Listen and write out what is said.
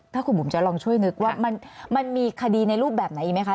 ถ้าคุณบุ๋มจะลองช่วยนึกว่ามันมีคดีในรูปแบบไหนอีกไหมคะ